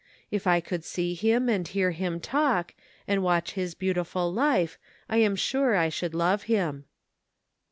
If I could see him and hear him talk, and watch his beautiful life, I am sure I should love him.'